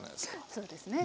そうですね